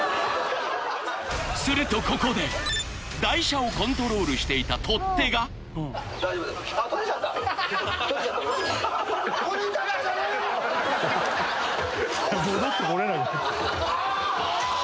するとここで台車をコントロールしていた取っ手がどうするんだよ！